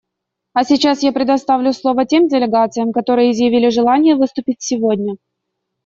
А сейчас я предоставлю слово тем делегациям, которые изъявили желание выступить сегодня.